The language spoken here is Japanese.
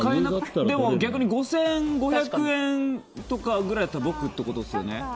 逆に５５００円とかぐらいだと僕っていうことですよね。